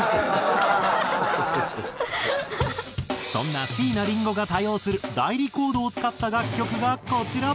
そんな椎名林檎が多用する代理コードを使った楽曲がこちら。